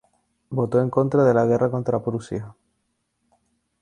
Votó en contra de la guerra contra Prusia.